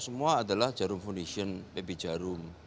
semua adalah jarum foundation pb jarum